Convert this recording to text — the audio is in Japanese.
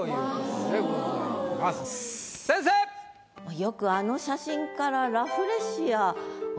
よくあの写真からラフレシア